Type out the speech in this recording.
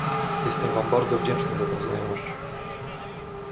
"Jestem wam bardzo wdzięczny za tę znajomość."